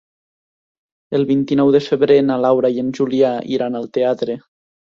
El vint-i-nou de febrer na Laura i en Julià iran al teatre.